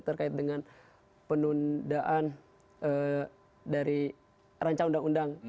terkait dengan penundaan dari rancang undang undang